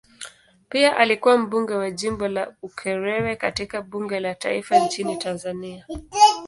Pia alikuwa mbunge wa jimbo la Ukerewe katika bunge la taifa nchini Tanzania.